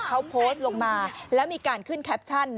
เขาโพสต์ลงมาแล้วมีการขึ้นแคปชั่น